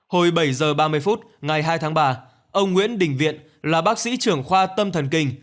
hồi bảy h ba mươi phút ngày hai tháng ba ông nguyễn đình viện là bác sĩ trưởng khoa tâm thần kinh